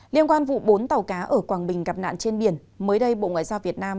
liên quan vụ bốn tàu cá ở quảng bình gặp nạn trên biển mới đây bộ ngoại giao việt nam